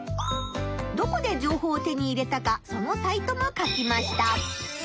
どこで情報を手に入れたかそのサイトも書きました。